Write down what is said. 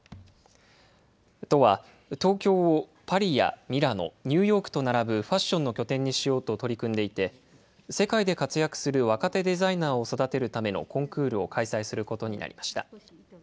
都は、東京をパリやミラノ、ニューヨークと並ぶファッションの拠点にしようと取り組んでいて、世界で活躍する若手デザイナーを育てるためのコンクールを開催することになりました。